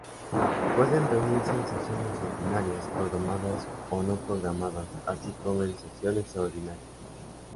Pueden reunirse en sesiones ordinarias, programadas o no programadas, así como en sesión extraordinaria.